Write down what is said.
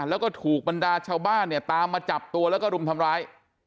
แล้วก็ถูกบรรดาชาวบ้านเนี่ยตามมาจับตัวแล้วก็รุมทำร้าย